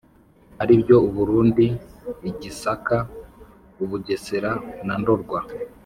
aribyo u Burundi, i Gisaka, u Bugesera na Ndorwa.